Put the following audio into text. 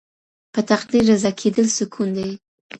په تقدیر رضا کیدل سکون دی.